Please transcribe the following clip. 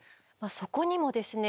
そこにもですね